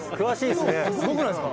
「すごくないですか？」